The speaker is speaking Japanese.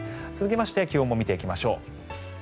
続きまして気温も見ていきましょう。